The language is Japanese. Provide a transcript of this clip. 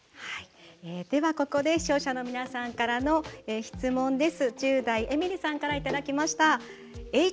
ここで視聴者の皆さんからの質問です。